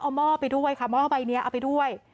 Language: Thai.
เอาหม้อไปด้วยค่ะหม้อใบนี้เอาไปด้วย